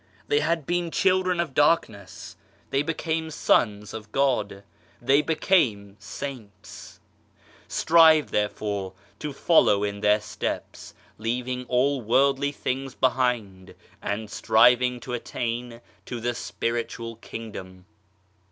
They had been children of darkness, they PROGRESS 55 became sons of God, they became saints ! Strive there fore to follow in their steps, leaving all worldly things behind, and striving to attain to the Spiritual Kingdom.